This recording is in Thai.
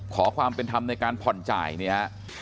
ขอความเป็นธรรมในการผ่อนจ่ายเนี่ยฮะ